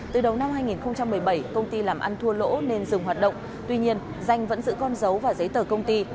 từ đầu năm hai nghìn một mươi bảy công ty làm ăn thua lỗ nên dừng hoạt động tuy nhiên danh vẫn giữ con dấu và giấy tờ công ty